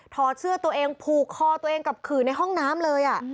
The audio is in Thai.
อดเสื้อตัวเองผูกคอตัวเองกับขื่อในห้องน้ำเลย